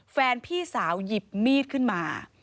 แฟนพี่สาวหยิบมีดขึ้นมา